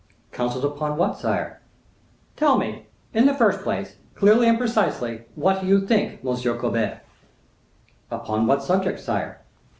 "Counsels upon what, sire?" "Tell me, in the first place, clearly and precisely, what you think, M. Colbert." "Upon what subject, sire?"